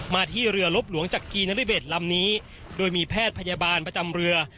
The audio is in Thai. มาที่เรือลบหลวงจักรีนริเบศลำนี้โดยมีแพทย์พยาบาลประจำเรือ